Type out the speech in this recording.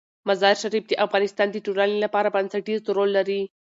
مزارشریف د افغانستان د ټولنې لپاره بنسټيز رول لري.